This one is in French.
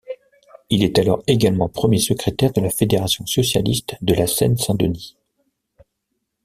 Il est alors également premier secrétaire de la fédération socialiste de la Seine-Saint-Denis.